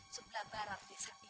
sebelah barang desa ini